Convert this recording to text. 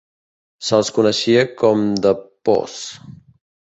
Se'ls coneixia com The Posse.